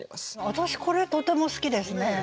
私これとても好きですね。